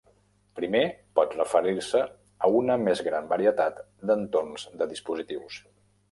Primer, pot referir-se a una més gran varietat de entorns de dispositius.